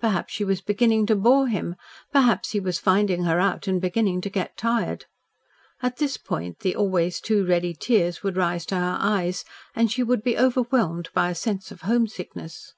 Perhaps she was beginning to bore him, perhaps he was finding her out and beginning to get tired. At this point the always too ready tears would rise to her eyes and she would be overwhelmed by a sense of homesickness.